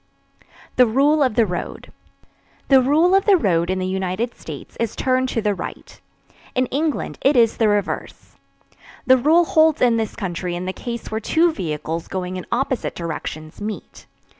THE RULE OF THE ROAD. The "rule of the road" in the United States is "turn to the right"; in England it is the reverse. The rule holds in this country in the case where two vehicles going in opposite directions meet.